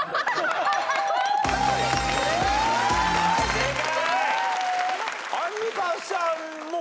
正解！